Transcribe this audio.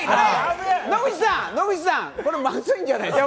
野口さん、これはまずいんじゃないですか。